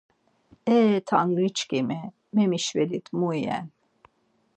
E Ťrangi çkimi memişvelit mu iven.